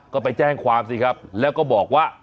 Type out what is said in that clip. ก็ไปแจ้งความสิครับแล้วก็บอกว่า